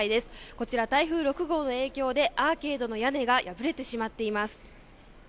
こちら台風６号の影響でアーケードの屋根が破れてしまっています